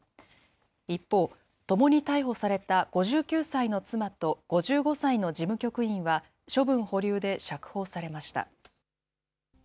一方、ともに逮捕された５９歳の妻と５５歳の事務局員は、処分保留で釈放されました。